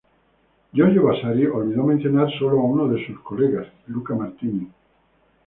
Giorgio Vasari olvidó mencionar sólo a uno de sus colegas: Luca Martini.